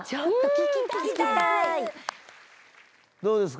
どうですか？